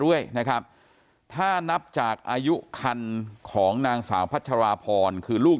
ด้วยนะครับถ้านับจากอายุคันของนางสาวพัชราพรคือลูก